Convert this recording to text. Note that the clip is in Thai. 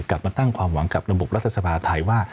กลับมาตั้งความหวังกับระบบรัฐสภาไทยว่า